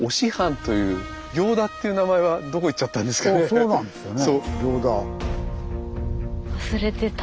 あそうなんですよね行田。